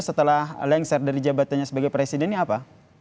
setelah lengser dari jabatannya sebagai presidennya apa